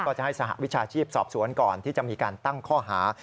จะให้สหวิชาชีพสอบสวนก่อนที่จะมีการตั้งข้อหา